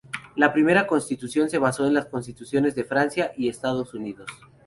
La primera Constitución se basó en las constituciones de Francia y Estados Unidos.